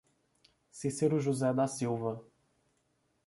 Cicero José da Silva